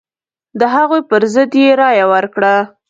د هغوی پر ضد یې رايه ورکړه.